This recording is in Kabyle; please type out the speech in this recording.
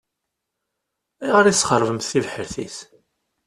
Ayɣer i tesxeṛbemt tibḥirt-is?